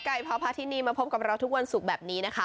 พาพาทินีมาพบกับเราทุกวันศุกร์แบบนี้นะคะ